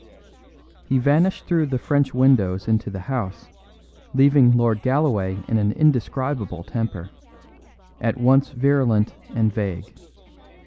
He vanished through the French windows into the house, leaving Lord Galloway in an indescribable temper, at once virulent and vague.